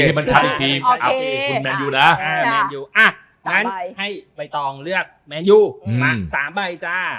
ให้ใบตองเลือกแมนยู๓ใบ